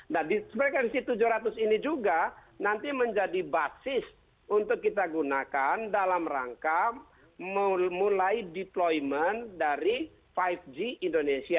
nah frekuensi tujuh ratus ini juga nanti menjadi basis untuk kita gunakan dalam rangka memulai deployment dari lima g indonesia